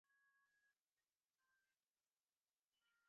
ও-সব দেশে জাত-ফাতের উৎপাত নেই।